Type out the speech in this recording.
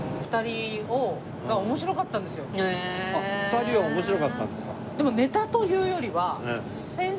２人は面白かったんですか。